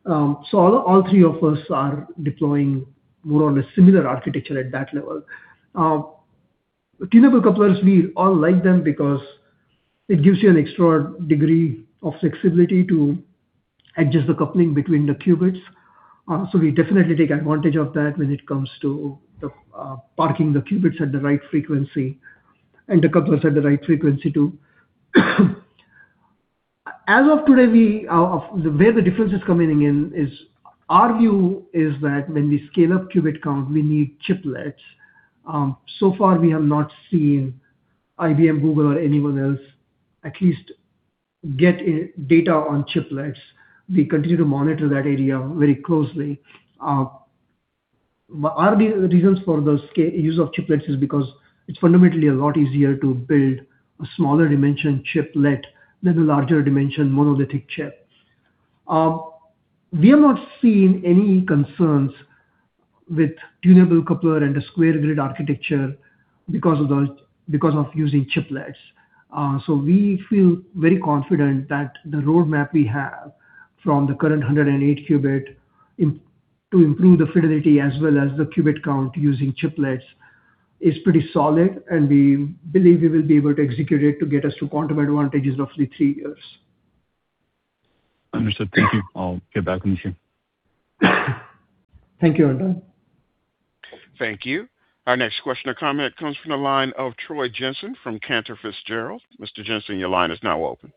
All three of us are deploying more on a similar architecture at that level. Tunable couplers, we all like them because it gives you an extra degree of flexibility to adjust the coupling between the qubits. We definitely take advantage of that when it comes to the parking the qubits at the right frequency and the couplers at the right frequency too. As of today, we, the way the difference is coming in is our view is that when we scale up qubit count, we need chiplets. So far, we have not seen IBM, Google, or anyone else at least get data on chiplets. We continue to monitor that area very closely. Our reasons for the use of chiplets is because it's fundamentally a lot easier to build a smaller dimension chiplet than the larger dimension monolithic chip. We have not seen any concerns with tunable coupler and the square grid architecture because of using chiplets. We feel very confident that the roadmap we have from the current 108 qubit to improve the fidelity as well as the qubit count using chiplets is pretty solid, and we believe we will be able to execute it to get us to quantum advantages roughly three years. Understood. Thank you. I'll get back with you. Thank you, Antoine. Thank you. Our next question or comment comes from the line of Troy Jensen from Cantor Fitzgerald. Mr. Jensen, your line is now open.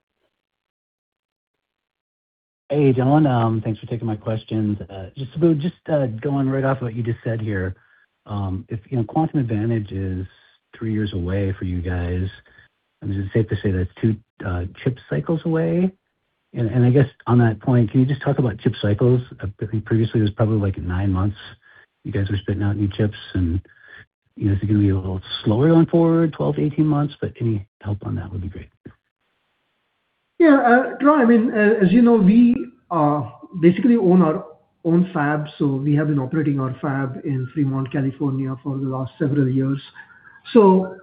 Hey, John. thanks for taking my questions. just going right off what you just said here, if, you know, quantum advantage is three years away for you guys, is it safe to say that's two chip cycles away? I guess on that point, can you just talk about chip cycles? I think previously it was probably like nine months you guys were spitting out new chips and, you know, is it gonna be a little slower going forward, 12-18 months? Any help on that would be great. Troy, I mean, as you know, we basically own our own fab, we have been operating our fab in Fremont, California, for the last several years.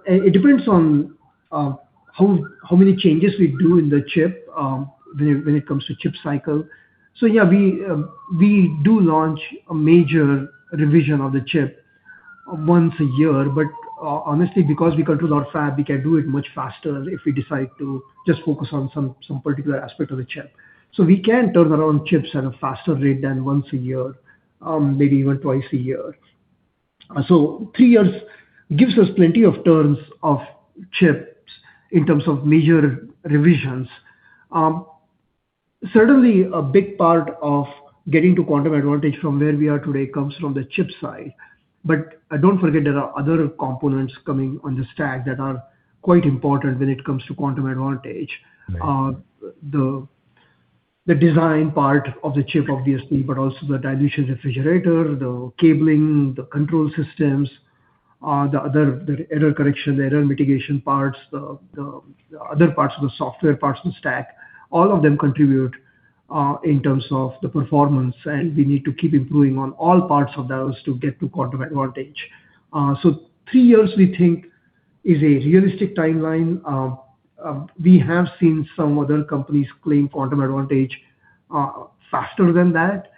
It depends on how many changes we do in the chip when it comes to chip cycle. We do launch a major revision of the chip once a year. Honestly, because we control our fab, we can do it much faster if we decide to just focus on some particular aspect of the chip. We can turn around chips at a faster rate than once a year, maybe even twice a year. Three years gives us plenty of turns of chips in terms of major revisions. Certainly a big part of getting to quantum advantage from where we are today comes from the chip side. Don't forget there are other components coming on the stack that are quite important when it comes to quantum advantage. Right. The design part of the chip obviously, but also the dilution refrigerator, the cabling, the control systems, the other, the error correction, the error mitigation parts, the other parts of the software parts of the stack, all of them contribute in terms of the performance, and we need to keep improving on all parts of those to get to quantum advantage. Three years we think is a realistic timeline. We have seen some other companies claim quantum advantage faster than that.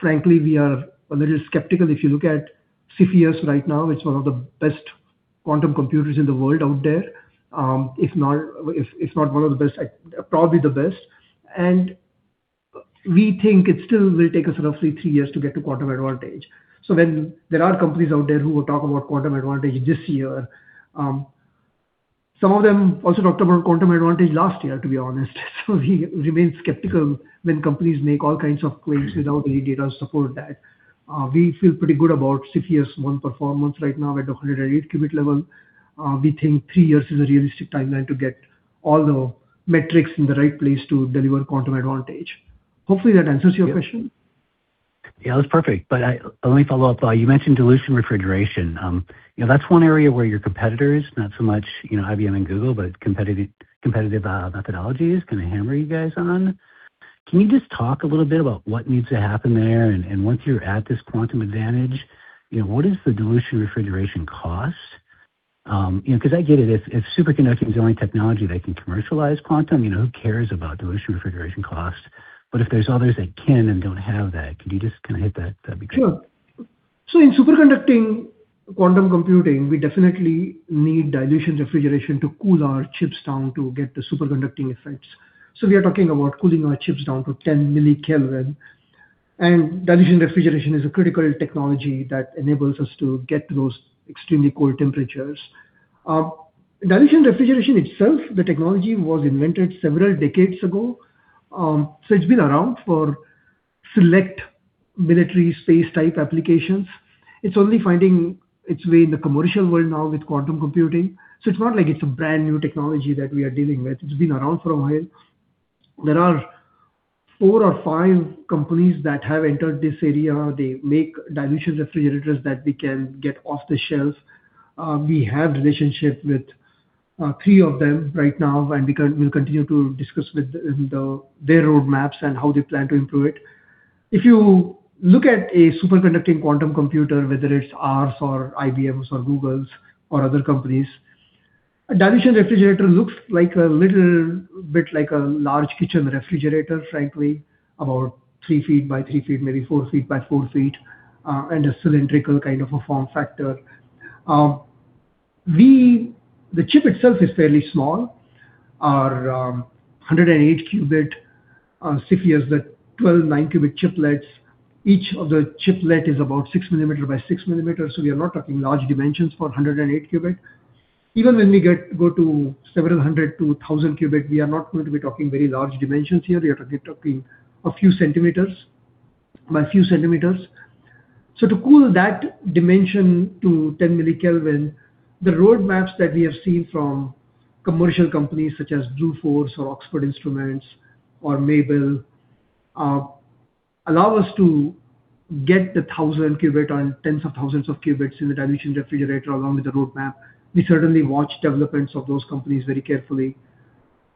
Frankly, we are a little skeptical. If you look at Cepheus right now, it's one of the best quantum computers in the world out there. If not, if not one of the best, probably the best. We think it still will take us roughly three years to get to quantum advantage. When there are companies out there who will talk about quantum advantage this year, some of them also talked about quantum advantage last year, to be honest. We remain skeptical when companies make all kinds of claims without any data to support that. We feel pretty good about Cepheus-1 performance right now at the 108 qubit level. We think three years is a realistic timeline to get all the metrics in the right place to deliver quantum advantage. Hopefully, that answers your question. Yeah. Yeah, that's perfect. Let me follow up. You mentioned dilution refrigerator. You know, that's one area where your competitors, not so much, you know, IBM and Google, but competitive methodologies can hammer you guys on. Can you just talk a little bit about what needs to happen there? Once you're at this quantum advantage, you know, what is the dilution refrigerator cost? You know, 'cause I get it, if superconducting is the only technology that can commercialize quantum, you know, who cares about dilution refrigerator cost? If there's others that can and don't have that, can you just kinda hit that? That'd be great. Sure. In superconducting quantum computing, we definitely need dilution refrigeration to cool our chips down to get the superconducting effects. We are talking about cooling our chips down to 10 millikelvin. Dilution refrigeration is a critical technology that enables us to get to those extremely cold temperatures. Dilution refrigeration itself, the technology was invented several decades ago. It's been around for select military space type applications. It's only finding its way in the commercial world now with quantum computing. It's not like it's a brand-new technology that we are dealing with. It's been around for a while. There are four or five companies that have entered this area. They make dilution refrigerators that we can get off the shelf. We have relationships with three of them right now, and we'll continue to discuss with their roadmaps and how they plan to improve it. If you look at a superconducting quantum computer, whether it's ours or IBM's or Google's or other companies, a dilution refrigerator looks like a little bit like a large kitchen refrigerator, frankly, about 3 ft by 3 ft, maybe 4 ft by 4 ft, and a cylindrical kind of a form factor. The chip itself is fairly small. Our 108-qubit Cepheus, the 12 9-qubit chiplets, each of the chiplet is about 6 millimeter by 6 millimeter, so we are not talking large dimensions for a 108-qubit. Even when we get to several hundred to a 1,000 qubit, we are not going to be talking very large dimensions here. We are talking a few centimeters by a few centimeters. To cool that dimension to 10 millikelvin, the roadmaps that we have seen from commercial companies such as Bluefors or Oxford Instruments or Maybell allow us to get the 1,000 qubit and tens of thousands of qubits in the dilution refrigerator along with the roadmap. We certainly watch developments of those companies very carefully,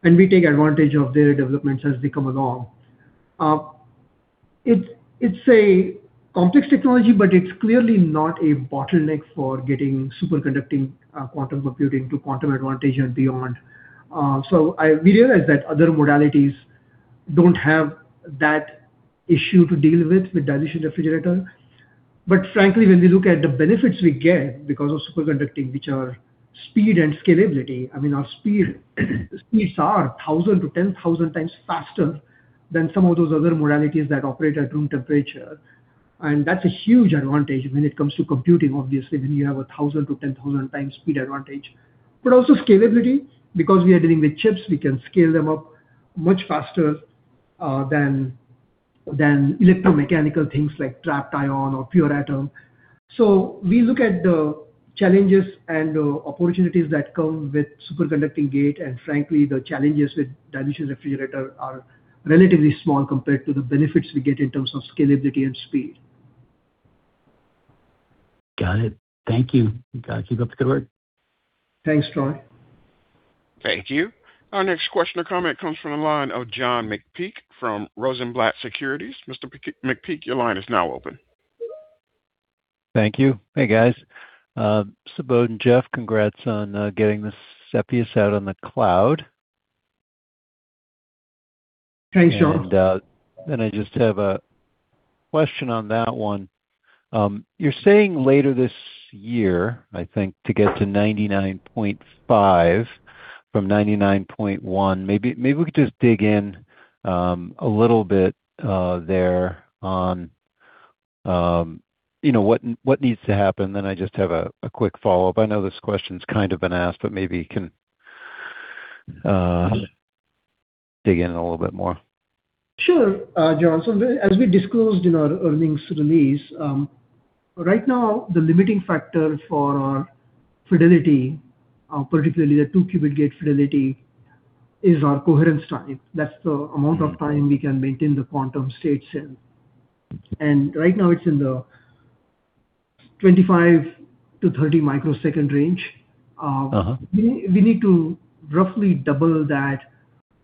and we take advantage of their developments as they come along. It's a complex technology, but it's clearly not a bottleneck for getting superconducting quantum computing to quantum advantage and beyond. We realize that other modalities don't have that issue to deal with dilution refrigerator. Frankly, when we look at the benefits we get because of superconducting, which are speed and scalability, I mean, our speed, speeds are 1,000 to 10,000 times faster than some of those other modalities that operate at room temperature. That's a huge advantage when it comes to computing, obviously, when you have a 1,000 to 10,000 times speed advantage. Also scalability, because we are dealing with chips, we can scale them up much faster than electromechanical things like trapped ion or pure atom. We look at the challenges and the opportunities that come with superconducting gate, and frankly, the challenges with dilution refrigerator are relatively small compared to the benefits we get in terms of scalability and speed. Got it. Thank you. You guys keep up the good work. Thanks, Troy. Thank you. Our next question or comment comes from the line of John McPeake from Rosenblatt Securities. Mr. McPeake, your line is now open. Thank you. Hey, guys. Subodh and Jeff, congrats on getting the Cepheus out on the cloud. Thanks, John. I just have a question on that one. You're saying later this year, I think, to get to 99.5 from 99.1. Maybe we could just dig in a little bit there on, you know, what needs to happen. I just have a quick follow-up. I know this question's kind of been asked, but maybe you can dig in a little bit more. Sure, John. As we disclosed in our earnings release, right now the limiting factor for our fidelity, particularly the two-qubit gate fidelity, is our coherence time. That's the amount of time we can maintain the quantum states in. Right now it's in the 25 microsecond-30 microsecond range. We need to roughly double that,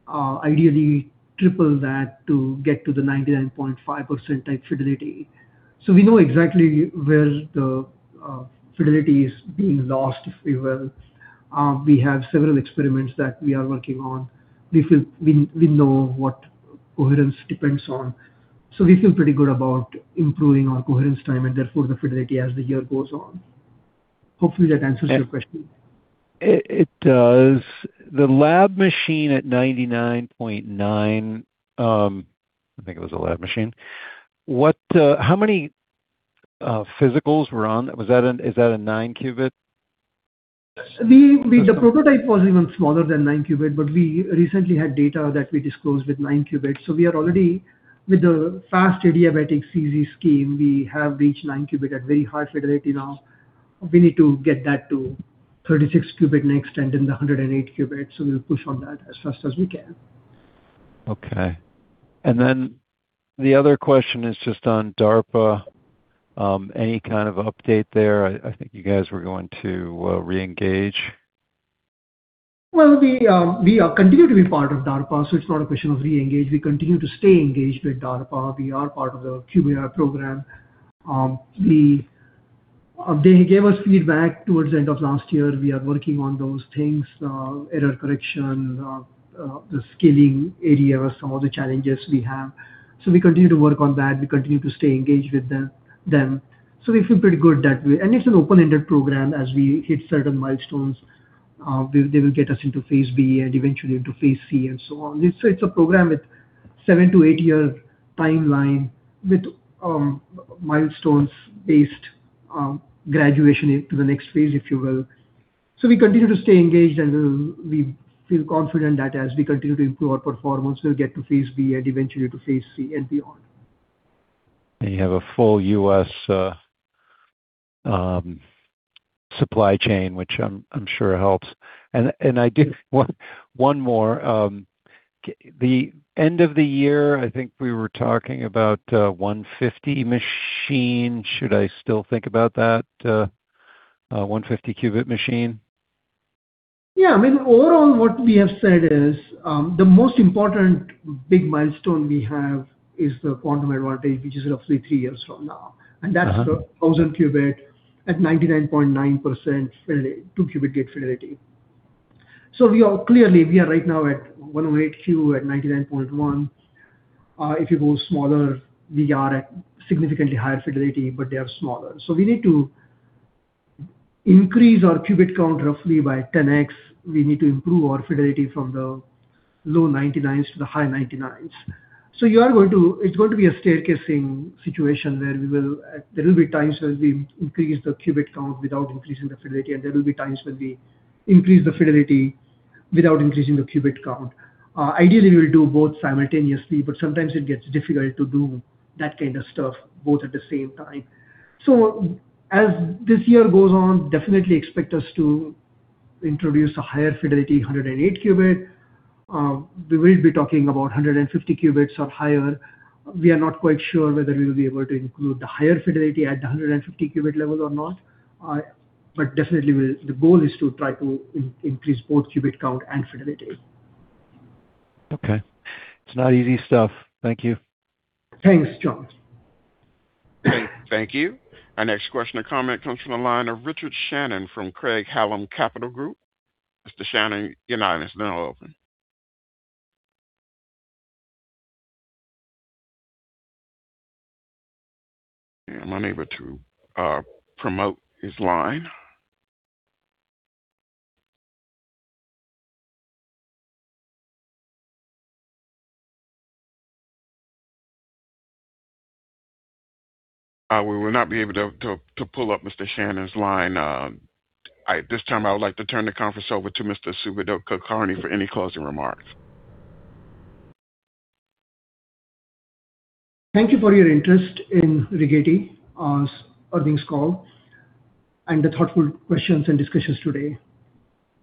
ideally triple that to get to the 99.5% type fidelity. We know exactly where the fidelity is being lost, if you will. We have several experiments that we are working on. We know what coherence depends on. We feel pretty good about improving our coherence time and therefore the fidelity as the year goes on. Hopefully that answers your question. It does. The lab machine at 99.9%, I think it was a lab machine. What, how many physicals were on? Is that a 9-qubit? The prototype was even smaller than 9 qubit, but we recently had data that we disclosed with 9 qubits. We are already with the fast adiabatic CZ scheme, we have reached 9 qubit at very high fidelity now. We need to get that to 36 qubit next and then the 108 qubit. We'll push on that as fast as we can. Okay. The other question is just on DARPA. Any kind of update there? I think you guys were going to reengage. Well, we continue to be part of DARPA, it's not a question of reengage. We continue to stay engaged with DARPA. We are part of the QBI program. They gave us feedback towards the end of last year. We are working on those things, error correction, the scaling area are some of the challenges we have. We continue to work on that. We continue to stay engaged with them. We feel pretty good that way. It's an open-ended program. As we hit certain milestones, they will get us into phase B and eventually into phase C and so on. It's a program with seven to eight-year timeline with milestones-based graduation into the next phase, if you will. We continue to stay engaged, and we feel confident that as we continue to improve our performance, we'll get to phase B and eventually to phase C and beyond. You have a full U.S. supply chain, which I'm sure helps. I do one more. The end of the year, I think we were talking about a 150 machine. Should I still think about that 150 qubit machine? Yeah. I mean, overall, what we have said is, the most important big milestone we have is the quantum advantage, which is roughly three years from now. That's the 1,000 qubit at 99.9% fidelity, two-qubit gate fidelity. We are right now at one way Q at 99.1. If you go smaller, we are at significantly higher fidelity, but they are smaller. We need to increase our qubit count roughly by 10x. We need to improve our fidelity from the low 99s to the high 99s. It's going to be a staircasing situation where There will be times where we increase the qubit count without increasing the fidelity, and there will be times where we increase the fidelity without increasing the qubit count. Ideally, we'll do both simultaneously, but sometimes it gets difficult to do that kind of stuff both at the same time. As this year goes on, definitely expect us to introduce a higher fidelity 108 qubit. We will be talking about 150 qubits or higher. We are not quite sure whether we will be able to include the higher fidelity at the 150 qubit level or not. Definitely the goal is to try to increase both qubit count and fidelity. Okay. It's not easy stuff. Thank you. Thanks, John. Thank you. Our next question or comment comes from the line of Richard Shannon from Craig-Hallum Capital Group. Mr. Shannon, your line is now open. I'm unable to promote his line. We will not be able to pull up Mr. Shannon's line. At this time, I would like to turn the conference over to Mr. Subodh Kulkarni for any closing remarks. Thank you for your interest in Rigetti on earnings call and the thoughtful questions and discussions today.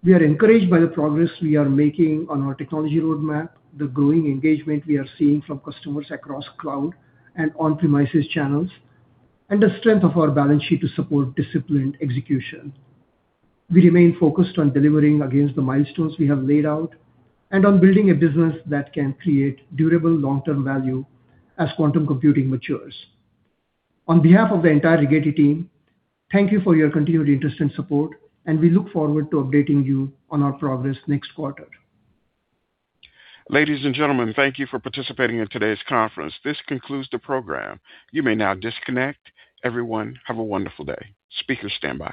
We are encouraged by the progress we are making on our technology roadmap, the growing engagement we are seeing from customers across cloud and on-premises channels, and the strength of our balance sheet to support disciplined execution. We remain focused on delivering against the milestones we have laid out and on building a business that can create durable long-term value as quantum computing matures. On behalf of the entire Rigetti team, thank you for your continued interest and support, and we look forward to updating you on our progress next quarter. Ladies and gentlemen, thank you for participating in today's conference. This concludes the program. You may now disconnect. Everyone, have a wonderful day. Speakers standby.